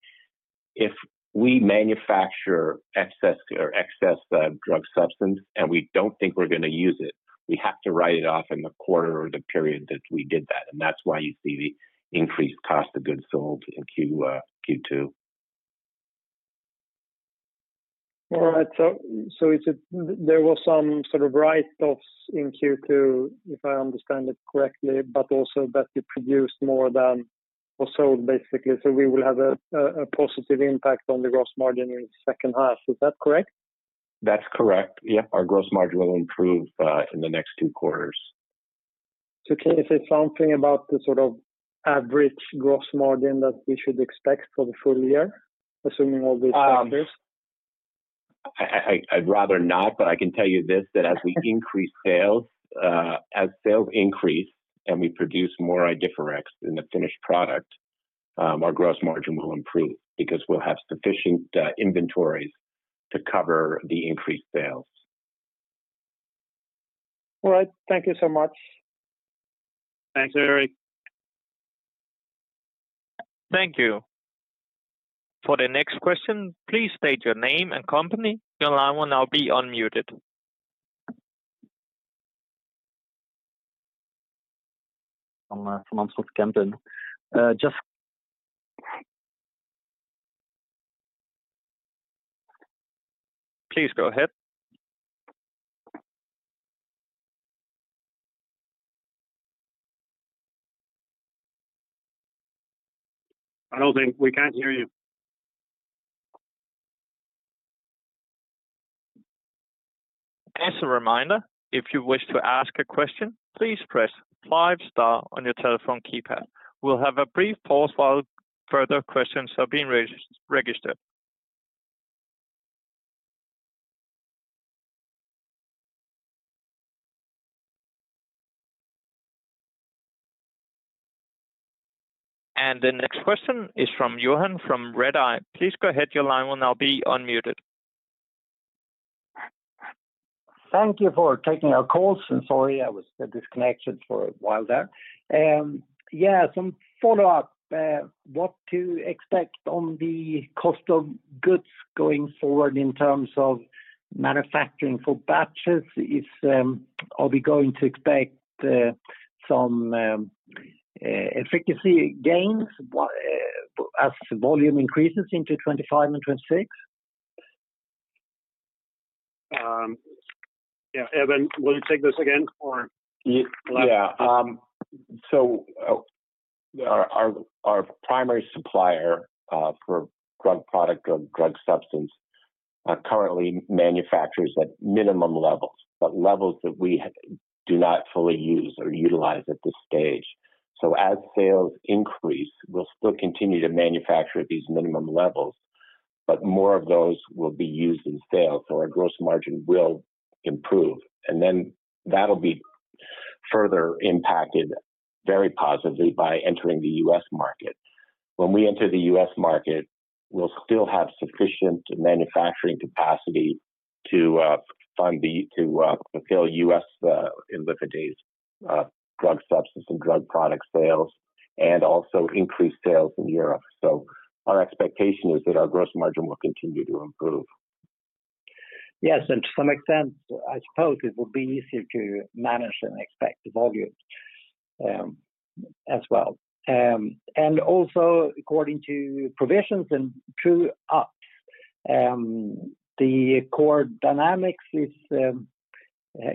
if we manufacture excess or excess, drug substance, and we don't think we're gonna use it, we have to write it off in the quarter or the period that we did that, and that's why you see the increased cost of goods sold in Q2. All right. So, is it that there was some sort of write-offs in Q2, if I understand it correctly, but also that you produced more than or so basically, so we will have a positive impact on the gross margin in the second half. Is that correct? That's correct. Yep. Our gross margin will improve in the next two quarters. Can you say something about the sort of average gross margin that we should expect for the full year, assuming all these factors? I'd rather not, but I can tell you this, that as we increase sales, as sales increase and we produce more Idefirix in the finished product, our gross margin will improve because we'll have sufficient inventories to cover the increased sales. All right. Thank you so much. Thanks, Erik. Thank you. For the next question, please state your name and company. Your line will now be unmuted. From Kempen. Just- Please go ahead. I don't think... We can't hear you. As a reminder, if you wish to ask a question, please press five star on your telephone keypad. We'll have a brief pause while further questions are being registered. And the next question is from Johan from Redeye. Please go ahead. Your line will now be unmuted. Thank you for taking our calls, and sorry, I was disconnected for a while there. Yeah, some follow-up. What to expect on the cost of goods going forward in terms of manufacturing for batches? Are we going to expect some efficacy gains as the volume increases into 2025 and 2026? Yeah, Evan, will you take this again or? Yeah. So, our primary supplier for drug product or drug substance currently manufactures at minimum levels, but levels that we do not fully use or utilize at this stage. So as sales increase, we'll still continue to manufacture at these minimum levels, but more of those will be used in sales, so our gross margin will improve. And then that'll be further impacted very positively by entering the U.S. market. When we enter the U.S. market, we'll still have sufficient manufacturing capacity to fulfill U.S. initial drug substance and drug product sales, and also increase sales in Europe. So our expectation is that our gross margin will continue to improve. Yes, and to some extent, I suppose it will be easier to manage and expect the volume, as well. And also according to provisions and true ups, the core dynamics is,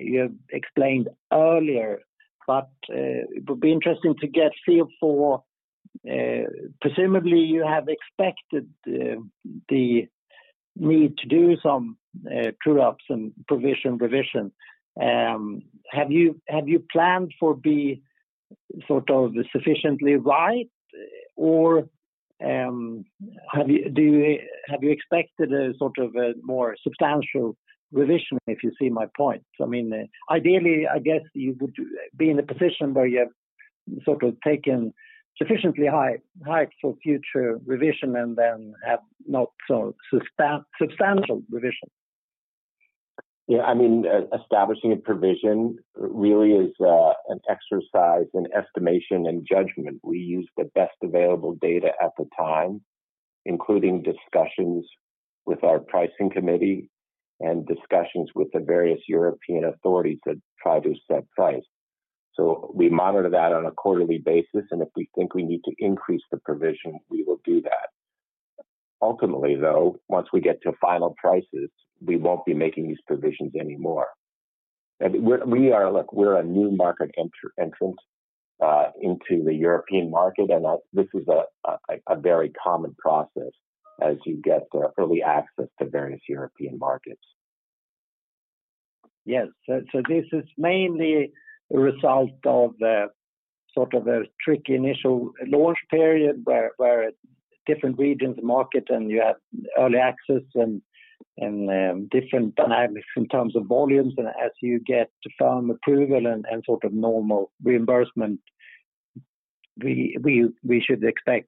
you explained earlier, but, it would be interesting to get a feel for, presumably you have expected, the need to do some, true ups and provision revision. Have you, have you planned for be sort of sufficiently right, or, have you-- do you, have you expected a sort of a more substantial revision, if you see my point? So, I mean, ideally, I guess you would be in a position where you have sort of taken sufficiently high, high for future revision and then have not so substantial revision. Yeah, I mean, establishing a provision really is an exercise in estimation and judgment. We use the best available data at the time, including discussions with our pricing committee and discussions with the various European authorities that try to set price. So we monitor that on a quarterly basis, and if we think we need to increase the provision, we will do that. Ultimately, though, once we get to final prices, we won't be making these provisions anymore. And we are, look, we're a new market entrant into the European market, and that this is a very common process as you get early access to various European markets. Yes. So this is mainly a result of the sort of a tricky initial launch period where different regions market and you have early access and different dynamics in terms of volumes and as you get firm approval and sort of normal reimbursement... we should expect,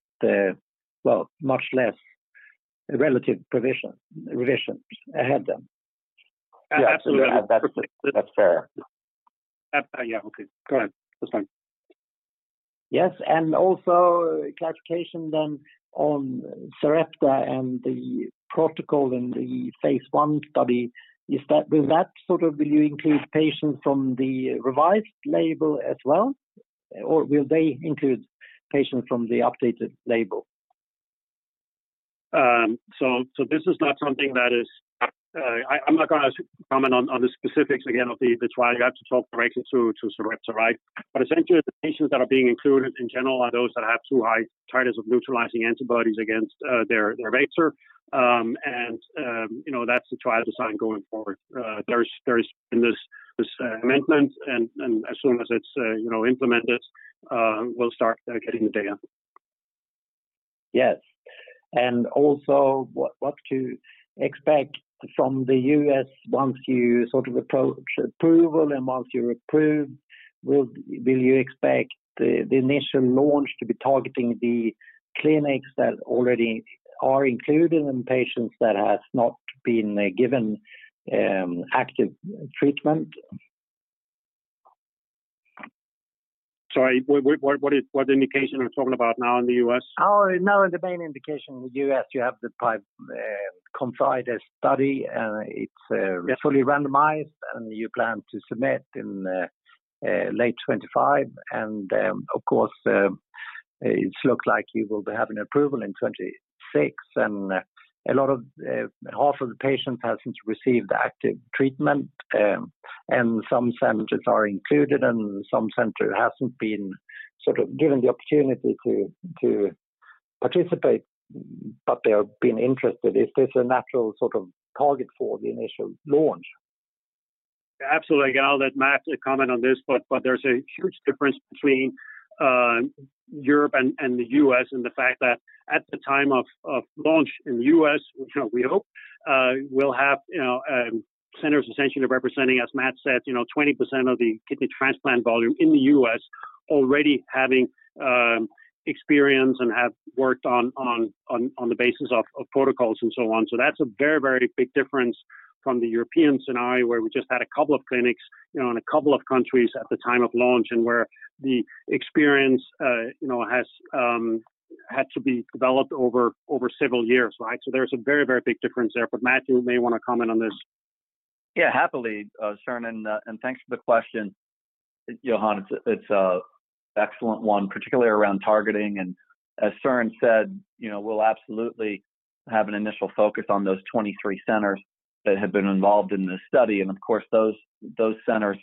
well, much less relative provision, revisions ahead then? Absolutely. That's, that's fair. Yeah. Okay, go ahead. That's fine. Yes, and also clarification then on Sarepta and the protocol and the phase one study, is that, will you include patients from the revised label as well, or will they include patients from the updated label? So this is not something that is, I, I'm not gonna comment on, on the specifics again of the, the trial. You have to talk directly to, to Sarepta, right? But essentially, the patients that are being included in general are those that have too high titers of neutralizing antibodies against, their, their vector. And, you know, that's the trial design going forward. There's, there's in this, this, amendment, and, and as soon as it's, you know, implemented, we'll start getting the data. Yes. And also, what to expect from the U.S. once you sort of approach approval and once you're approved, will you expect the initial launch to be targeting the clinics that already are included in patients that has not been given active treatment? Sorry, what, what, what is - what indication are you talking about now in the US? Oh, now, the main indication in the U.S., you have the pivotal ConfIdeS study, and it's fully randomized, and you plan to submit in late 2025. And, of course, it looks like you will be having approval in 2026. And, a lot of half of the patients hasn't received active treatment, and some centers are included, and some center hasn't been sort of given the opportunity to participate, but they have been interested. Is this a natural sort of target for the initial launch? Absolutely. I'll let Matt comment on this, but there's a huge difference between Europe and the US and the fact that at the time of launch in the US, you know, we hope we'll have, you know, centers essentially representing, as Matt said, you know, 20% of the kidney transplant volume in the US already having experience and have worked on the basis of protocols and so on. So that's a very, very big difference from the European scenario, where we just had a couple of clinics, you know, in a couple of countries at the time of launch, and where the experience, you know, has had to be developed over several years, right? So there's a very, very big difference there. But Matt, you may want to comment on this. Yeah, happily, Søren, and thanks for the question, Johan. It's an excellent one, particularly around targeting. And as Søren said, you know, we'll absolutely have an initial focus on those 23 centers that have been involved in this study. And of course, those centers,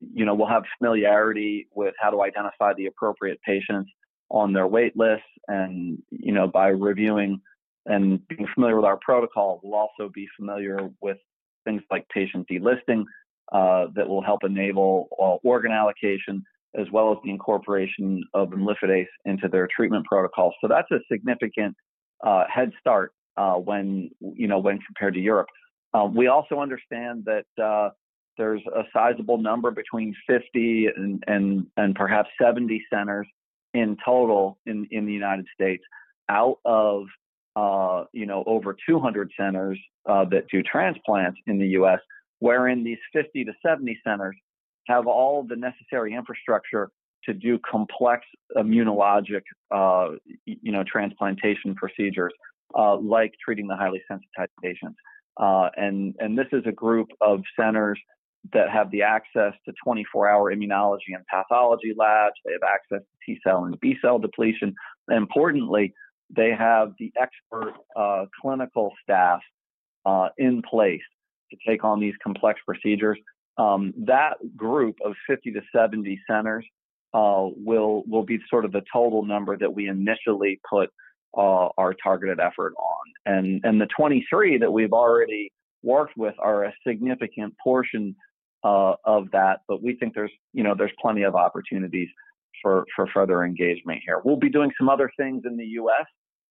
you know, will have familiarity with how to identify the appropriate patients on their wait list. And, you know, by reviewing and being familiar with our protocol, we'll also be familiar with things like patient delisting, that will help enable organ allocation, as well as the incorporation of imlifidase into their treatment protocol. So that's a significant head start, when, you know, when compared to Europe. We also understand that there's a sizable number between 50 and perhaps 70 centers in total in the United States out of over 200 centers that do transplants in the US. Wherein these 50-70 centers have all the necessary infrastructure to do complex immunologic transplantation procedures like treating the highly sensitized patients. This is a group of centers that have the access to 24-hour immunology and pathology labs. They have access to T-cell and B-cell depletion. Importantly, they have the expert clinical staff in place to take on these complex procedures. That group of 50-70 centers will be sort of the total number that we initially put our targeted effort on. The 23 that we've already worked with are a significant portion of that, but we think there's, you know, there's plenty of opportunities for further engagement here. We'll be doing some other things in the US,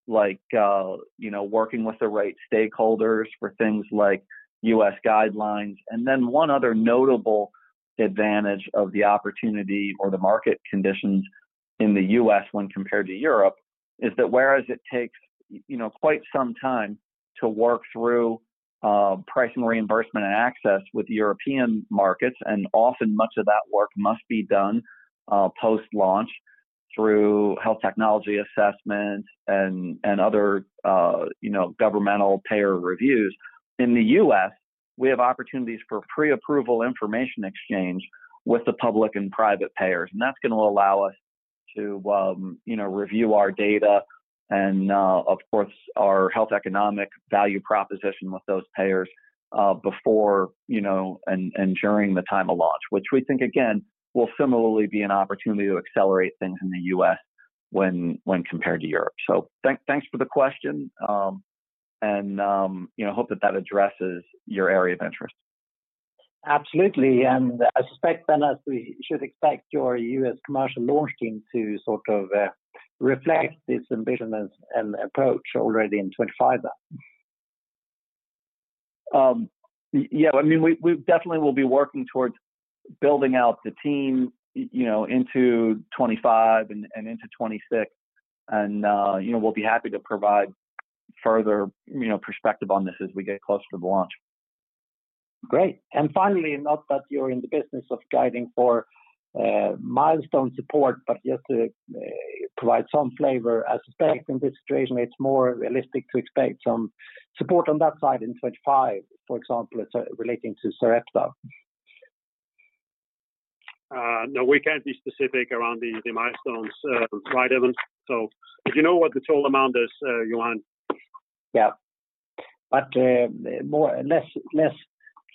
like, you know, working with the right stakeholders for things like US guidelines. Then one other notable advantage of the opportunity or the market conditions in the US when compared to Europe is that whereas it takes, you know, quite some time to work through pricing, reimbursement, and access with European markets, and often much of that work must be done post-launch through health technology assessment and other, you know, governmental payer reviews. In the U.S., we have opportunities for pre-approval information exchange with the public and private payers, and that's gonna allow us to, you know, review our data and, of course, our health economic value proposition with those payers, before, you know, and, and during the time of launch. Which we think, again, will similarly be an opportunity to accelerate things in the U.S. when, when compared to Europe. So, thanks for the question. And, you know, hope that that addresses your area of interest. Absolutely. And I suspect then, as we should expect your U.S. commercial launch team to sort of reflect this commitment and approach already in 2025. Yeah, I mean, we definitely will be working towards building out the team, you know, into 2025 and into 2026. You know, we'll be happy to provide further, you know, perspective on this as we get closer to launch. Great. Finally, not that you're in the business of guiding for milestone support, but just to provide some flavor. I suspect in this situation, it's more realistic to expect some support on that side in 2025, for example, relating to Sarepta. No, we can't be specific around the, the milestones, right, Evan? So but you know what the total amount is, Johan. Yeah.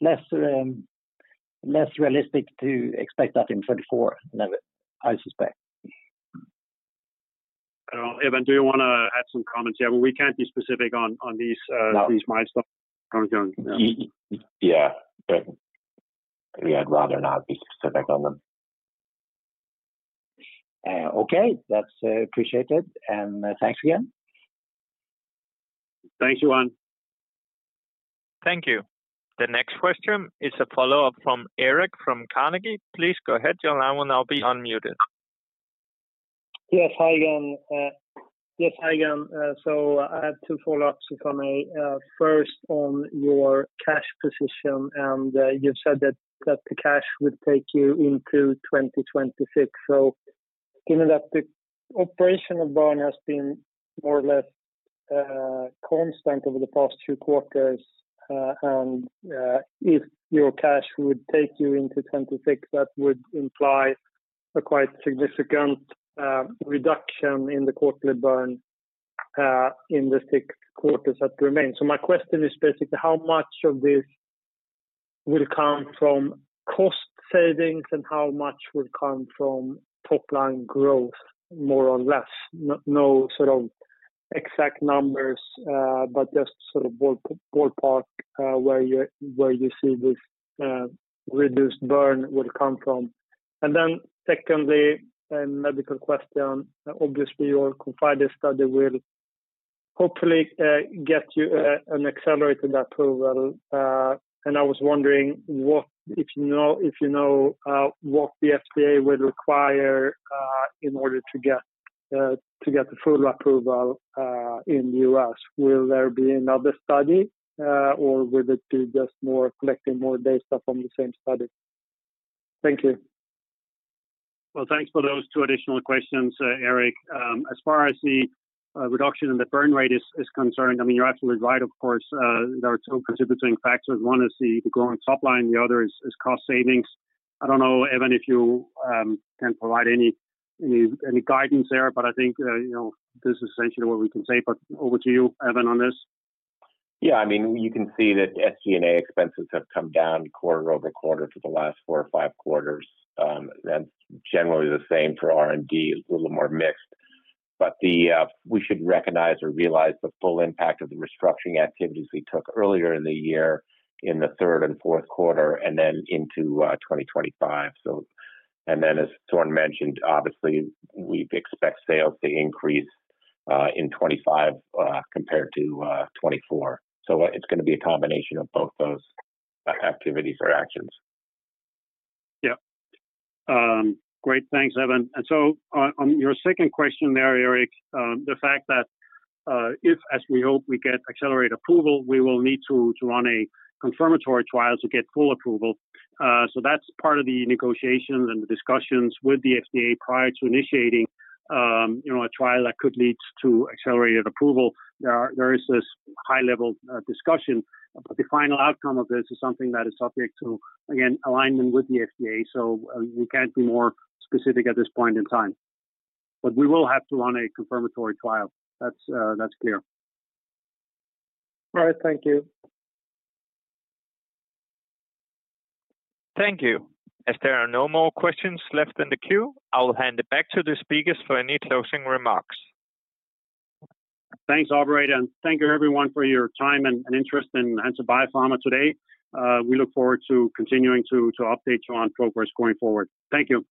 But less realistic to expect that in 2024 than I suspect. I don't know, Evan, do you wanna add some comments? Yeah, we can't be specific on, on these, No. These milestones, comments on, yeah. Yeah. But we'd rather not be specific on them. Okay. That's appreciated, and thanks again. Thanks, Johan. Thank you. The next question is a follow-up from Erik from Carnegie. Please go ahead, Johan, and you'll now be unmuted. Yes, hi, Johan. Yes, hi, Johan. So I have two follow-ups if I may. First, on your cash position, and you've said that the cash would take you into 2026. So given that the operational burn has been more or less constant over the past two quarters, and if your cash would take you into 2026, that would imply a quite significant reduction in the quarterly burn in the 6 quarters that remain. So my question is basically, how much of this will come from cost savings, and how much will come from top-line growth, more or less? No sort of exact numbers, but just sort of ballpark where you see this reduced burn will come from. And then secondly, a medical question. Obviously, your ConfIdeS study will hopefully get you an accelerated approval. I was wondering what, if you know, if you know, what the FDA would require in order to get to get the full approval in the U.S. Will there be another study or will it be just more collecting more data from the same study? Thank you. Well, thanks for those two additional questions, Erik. As far as the reduction in the burn rate is concerned, I mean, you're absolutely right, of course. There are two contributing factors. One is the growing top line, the other is cost savings. I don't know, Evan, if you can provide any guidance there, but I think, you know, this is essentially what we can say. But over to you, Evan, on this. Yeah, I mean, you can see that SG&A expenses have come down quarter over quarter for the last 4 or 5 quarters. That's generally the same for R&D, a little more mixed. But we should recognize or realize the full impact of the restructuring activities we took earlier in the year, in the third and fourth quarter, and then into 2025. So... And then, as Søren mentioned, obviously, we expect sales to increase in 2025 compared to 2024. So it's gonna be a combination of both those activities or actions. Yeah. Great. Thanks, Evan. And so, on your second question there, Erik, the fact that, if, as we hope, we get accelerated approval, we will need to, to run a confirmatory trial to get full approval. So that's part of the negotiations and the discussions with the FDA prior to initiating, you know, a trial that could lead to accelerated approval. There is this high-level discussion, but the final outcome of this is something that is subject to, again, alignment with the FDA. So, we can't be more specific at this point in time. But we will have to run a confirmatory trial. That's clear. All right. Thank you. Thank you. As there are no more questions left in the queue, I will hand it back to the speakers for any closing remarks. Thanks, operator, and thank you, everyone, for your time and interest in Hansa Biopharma today. We look forward to continuing to update you on progress going forward. Thank you.